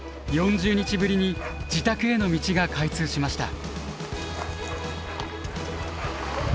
４０日ぶりに自宅への道が開通しました。